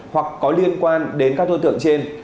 hoặc có liên quan đến các đối tượng trên